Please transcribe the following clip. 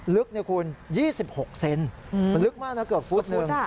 ลึกเนี่ยคุณ๒๖เซนมันลึกมากนะเกือบฟุตหนึ่ง